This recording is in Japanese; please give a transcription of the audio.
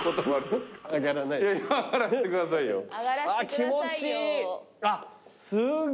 気持ちいい！